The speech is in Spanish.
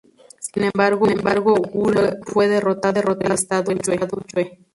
Sin embargo, Wu luego fue derrotado por el estado Yue.